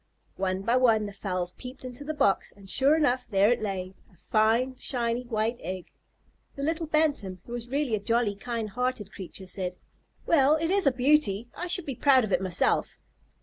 One by one the fowls peeped into the box, and sure enough, there it lay, a fine, shiny, white egg. The little Bantam, who was really a jolly, kind hearted creature, said, "Well, it is a beauty. I should be proud of it myself."